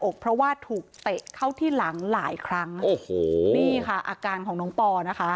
อกเพราะว่าถูกเตะเข้าที่หลังหลายครั้งโอ้โหนี่ค่ะอาการของน้องปอนะคะ